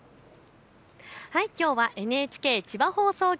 きょうはＮＨＫ千葉放送局